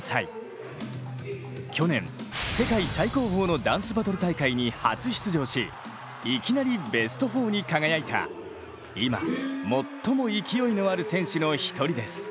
去年世界最高峰のダンスバトル大会に初出場しいきなりベスト４に輝いた今最も勢いのある選手の一人です。